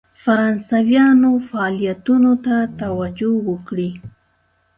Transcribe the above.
فرانسویانو فعالیتونو ته توجه وکړي.